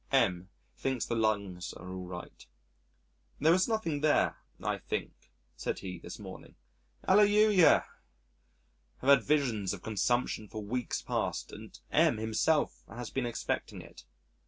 M thinks the lungs are all right. "There is nothing there, I think," said he, this morning. Alleluia! I've had visions of consumption for weeks past and M himself has been expecting it.